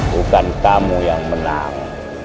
bukan kamu yang menang